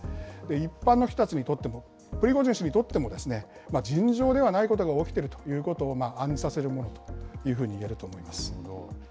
一般の人たちにとっても、プリゴジン氏にとっても、尋常ではないことが起きているということを暗示させるものというふうにいえると思います。